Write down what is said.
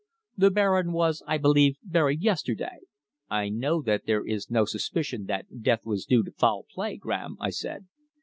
The Baron was, I believe, buried yesterday." "I know that there is no suspicion that death was due to foul play, Graham," I said.